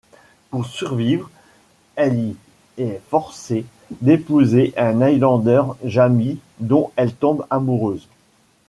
Pour survivre, elle y est forcée d'épouser un Highlander, Jamie dont elle tombe amoureuse.